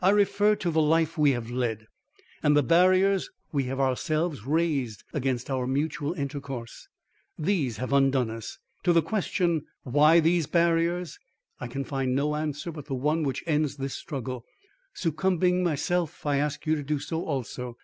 I refer to the life we have led and the barriers we have ourselves raised against our mutual intercourse. These have undone us. To the question, 'Why these barriers?' I can find no answer but the one which ends this struggle. Succumbing myself, I ask you to do so also.